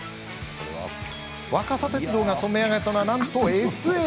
若桜鉄道が染め上げたのは、なんとＳＬ。